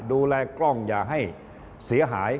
ดูแลกล้องอย่าให้เสียหาย